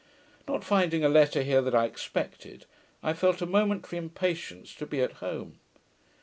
Not finding a letter here that I expected, I felt a momentary impatience to be at home.